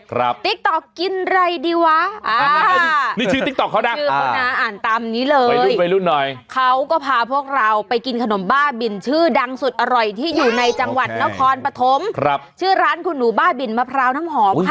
ครับติ๊กต๊อกกินอะไรดีวะอ่านี่ชื่อติ๊กต๊อกเขาน่ะ